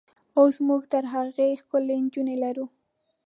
اوس موږ تر هغوی ښکلې نجونې لرو.